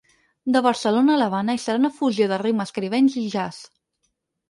De Barcelona a l’Havana i serà una fusió de ritmes caribenys i jazz.